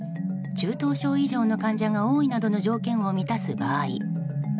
中等症以上の患者が多いなどの条件を満たす場合ＢＡ